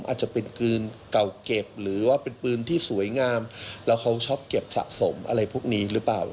อาจจะเป็นปืนเก่าเก็บหรือว่าเป็นปืนที่สวยงามแล้วเขาชอบเก็บสะสมอะไรพวกนี้หรือเปล่า